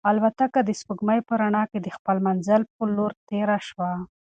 الوتکه د سپوږمۍ په رڼا کې د خپل منزل په لور تېره شوه.